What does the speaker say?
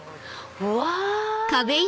うわ！